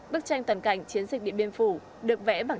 bức tranh tần cảnh chiến dịch điện biên phủ được vẽ bằng